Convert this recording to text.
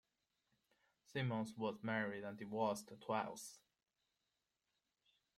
Simmons was married and divorced twice.